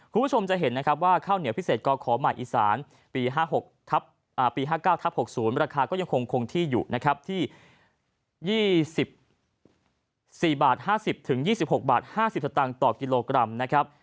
คุณผู้ชมจะเห็นนะครับว่าข้าวเหนียวพิเศษก็ขอหมายอีสานปีห้าหกทับอ่าปีห้าเก้าทับหกศูนย์ราคาก็ยังคงคงที่อยู่นะครับที่ยี่สิบสี่บาทห้าสิบถึงยี่สิบหกบาทห้าสิบสตางค์ต่อกิโลกรัมนะครับ